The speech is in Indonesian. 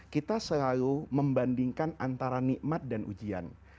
kita selalu membandingkan antara nikmat dan ujian